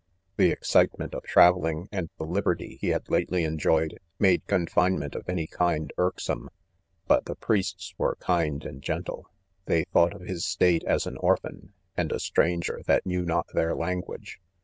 The excitement of travelling and the liberty he had lately enjoyed? made confinement of any kind, irksome, but the priesfs were kind and gentle § they thought of. his state as an orphan and a strangles that knew not their language.